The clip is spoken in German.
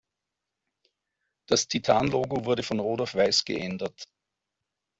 Das Titan-Logo wurde von rot auf weiß geändert.